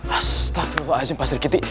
astagfirullahaladzim pak serikiti